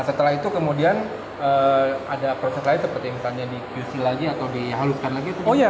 setelah itu ada proses lain seperti di qc atau dihaluskan lagi